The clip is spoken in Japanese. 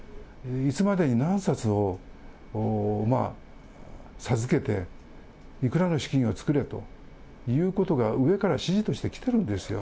いつまでに何冊を授けて、いくらの資金を作れと上から指示として来てるんですよ。